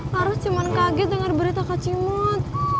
harus cuman kaget denger berita kak cimut